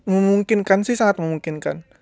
memungkinkan sih sangat memungkinkan